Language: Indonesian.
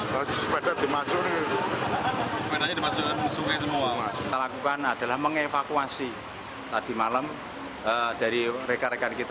kita lakukan adalah mengevakuasi tadi malam dari rekan rekan kita